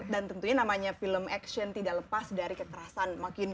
dan tentunya namanya film action tidak lepas dari kekerasan